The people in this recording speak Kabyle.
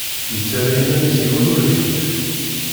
Yettarra iman-is yiwen ur t-yif.